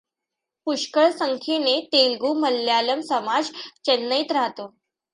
पुष्कळ संख्येने तेलगू मल्यालम समाज चेन्नईत राहतो.